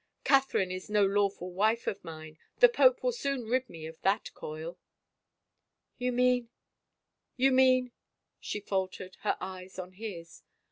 " Catherine is no lawful wife of mine. ... The pope will soon rid me of that coil." "You mean — you mean —?" she faltered, her eyes on his.